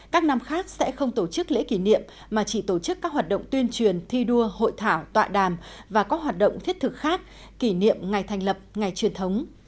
các năm khác sẽ không tổ chức lễ kỷ niệm mà chỉ tổ chức các hoạt động tuyên truyền thi đua hội thảo tọa đàm và các hoạt động thiết thực khác kỷ niệm ngày thành lập ngày truyền thống